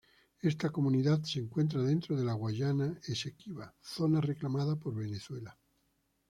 Esta comunidad se encuentra dentro de la Guayana Esequiba, zona reclamada por Venezuela.